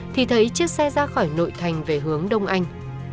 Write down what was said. thì thấy chiếc xe ra khỏi nội thành về hướng đông anh